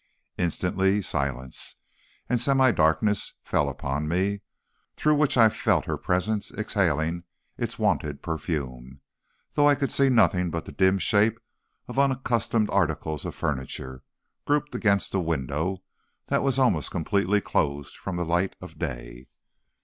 Instantly silence and semi darkness fell upon me, through which I felt her presence exhaling its wonted perfume, though I could see nothing but the dim shapes of unaccustomed articles of furniture grouped against a window that was almost completely closed from the light of day.